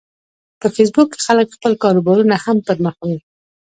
په فېسبوک کې خلک خپل کاروبارونه هم پرمخ وړي